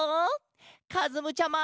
かずむちゃま！